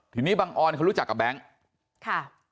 ทีนี้บังออนเขารู้จักกับแบงค์ค่ะ